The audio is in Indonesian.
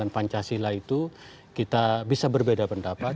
pancasila itu kita bisa berbeda pendapat